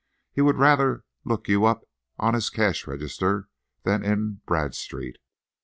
He would rather look you up on his cash register than in Bradstreet.